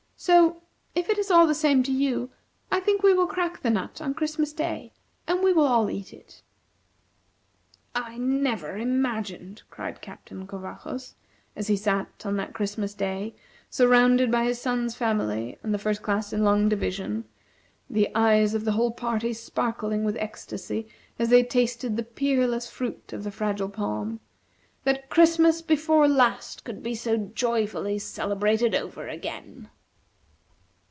So, if it is all the same to you, I think we will crack the nut on Christmas Day and we all will eat it." "I never imagined," cried Captain Covajos, as he sat, on that Christmas Day, surrounded by his son's family and the First Class in Long Division, the eyes of the whole party sparkling with ecstasy as they tasted the peerless fruit of the Fragile Palm, "that Christmas before last could be so joyfully celebrated over again."